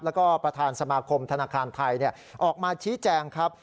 แล้วก็ประธานสมาคมธนาคารไทยออกมาชี้แจงครับ